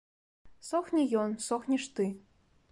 Сохне ён, сохнеш ты.